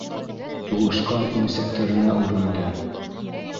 Тулышҡан имсәктәренә үрелде.